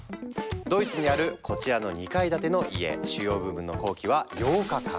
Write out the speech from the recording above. ドイツにあるこちらの２階建ての家主要部分の工期は８日間。